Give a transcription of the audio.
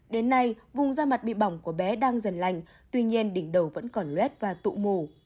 đến nay vùng da mặt bị bỏng của bé đang dần lành tuy nhiên đỉnh đầu vẫn còn luet và tụ mù